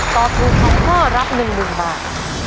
ตอบถูก๒ข้อรับ๑๐๐๐บาท